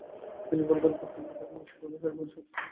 তিনি বলতেন, প্রকৃতি তাকে মানসিক এবং শারীরিকভাবে শক্তিশালী করেছে।